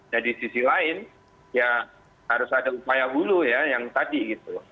nah di sisi lain ya harus ada upaya hulu ya yang tadi gitu